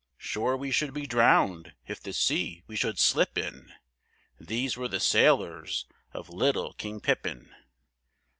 "Sure we should be drowned if the sea we should slip in!" These were the sailors of little King Pippin.